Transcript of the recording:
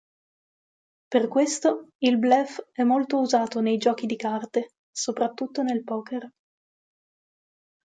Per questo, il "bluff" è molto usato nei giochi di carte, soprattutto nel poker.